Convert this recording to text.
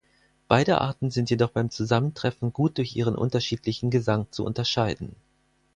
Beide Arten sind jedoch beim Zusammentreffen gut durch ihren unterschiedlichen Gesang zu unterscheiden.